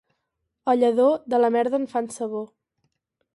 A Lledó, de la merda en fan sabó.